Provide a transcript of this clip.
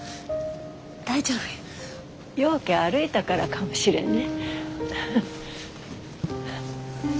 ようけ歩いたからかもしれんね。